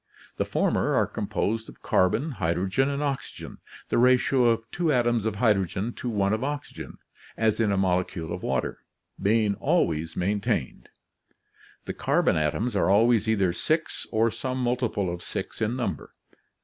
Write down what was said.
The former are composed of carbon, hydrogen, and oxygen, the ratio THE ORGANIC KINGDOM 19 of two atoms of hydrogen to one of oxygen, as in a molecule of water, being always maintained. The carbon atoms are always either six or some multiple of six in number.